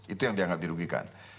itu yang dianggap dirugikan